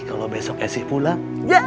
kalau besok esik pulang